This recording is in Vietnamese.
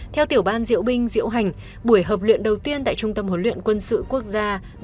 theo tiểu ban diễu binh diễu hành buổi hợp luyện đầu tiên tại trung tâm huấn luyện quân sự quốc gia